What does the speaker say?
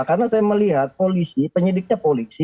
karena saya melihat polisi penyidiknya polisi